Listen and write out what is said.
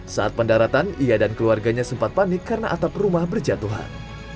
saat pendaratan ia dan keluarganya sempat panik karena atap rumah berjatuhan